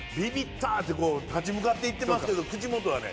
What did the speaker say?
たってこう立ち向かっていってますけど口元はね